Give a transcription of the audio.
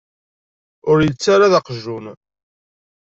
Ur yi-ttarra d aqjun.